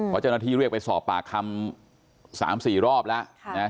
เค้าจะหนังทีเรียกไปสอบปากคำ๓๔รอบแล้วนะฮะ